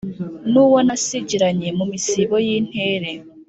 N’uwo nasigiranye mu misibo y’intere,